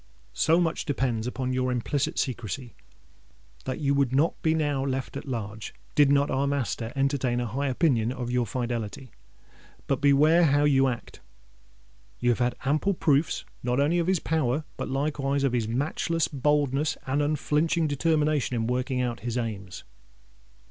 So much depends upon your implicit secrecy, that you would not be now left at large, did not our master entertain a high opinion of your fidelity. But beware how you act! You have had ample proofs not only of his power, but likewise of his matchless boldness and unflinching determination in working out his aims."